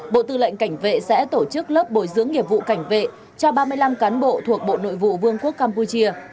bộ tư lệnh cảnh vệ sẽ tổ chức lớp bồi dưỡng nghiệp vụ cảnh vệ cho ba mươi năm cán bộ thuộc bộ nội vụ vương quốc campuchia